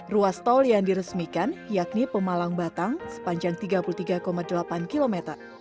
ruas tol yang diresmikan yakni pemalang batang sepanjang tiga puluh tiga delapan km